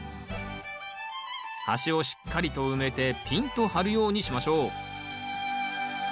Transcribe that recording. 端をしっかりと埋めてピンと張るようにしましょう。